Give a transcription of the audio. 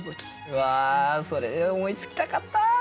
うわそれ思いつきたかった！